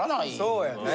そうやね。